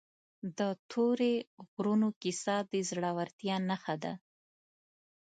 د تورې غرونو کیسه د زړورتیا نښه ده.